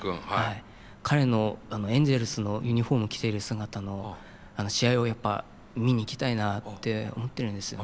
彼のエンゼルスのユニフォームを着ている姿の試合をやっぱ見に行きたいなあって思ってるんですよね。